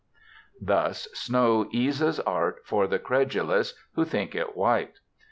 Thus snow eases art for the credulous who think it white.